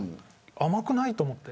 甘くないと思って。